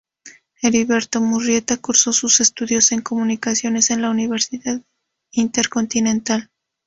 Heriberto Murrieta, cursó sus estudios en Comunicaciones, en la Universidad Intercontinental.